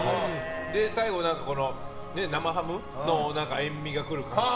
最後、生ハムの塩みが来る感じ。